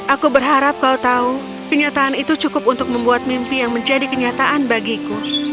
aku berharap kau tahu kenyataan itu cukup untuk membuat mimpi yang menjadi kenyataan bagiku